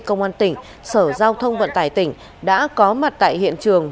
công an tỉnh sở giao thông vận tải tỉnh đã có mặt tại hiện trường